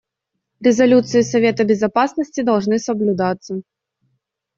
Резолюции Совета Безопасности должны соблюдаться.